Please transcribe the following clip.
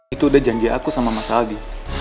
itu udah janji aku sama mas aldi